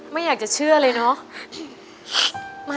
ไม่อยากจะเชื่อเลยเนาะ